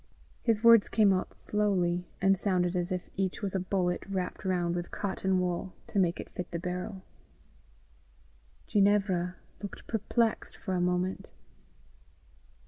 His words came out slowly, and sounded as if each was a bullet wrapped round with cotton wool to make it fit the barrel. Ginevra looked perplexed for a moment.